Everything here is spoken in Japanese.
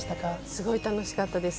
すごく楽しかったです。